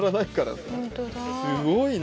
すごいな！